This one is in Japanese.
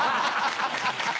ハハハ！